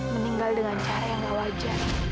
meninggal dengan cara yang gak wajar